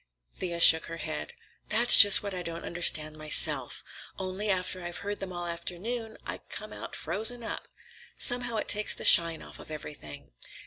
Thea shook her head. "That's just what I don't understand myself. Only, after I've heard them all afternoon, I come out frozen up. Somehow it takes the shine off of everything.